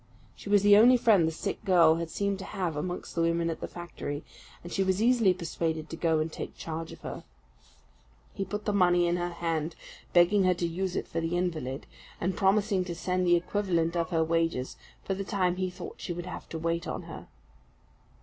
She was the only friend the sick girl had seemed to have amongst the women at the factory, and she was easily persuaded to go and take charge of her. He put the money in her hand, begging her to use it for the invalid, and promising to send the equivalent of her wages for the time he thought she would have to wait on her.